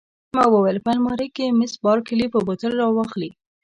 ما وویل: په المارۍ کې، مس بارکلي به بوتل را واخلي.